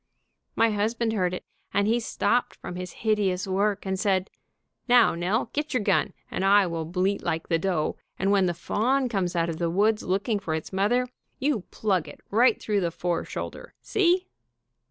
My husband heard it, and he stopped from his hideous work, and said, 'Now, Nell, get your gun, and I will bleat like the doe, and when the fawn comes out of the woods looking for its mother, you plug it right through the fore shoulder, see?'